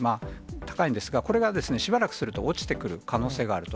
高いんですが、これがしばらくすると落ちてくる可能性があると。